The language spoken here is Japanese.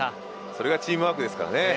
それがチームワークです。